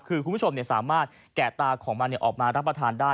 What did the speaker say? คือคุณผู้ชมสามารถแกะตาของมันออกมารับประทานได้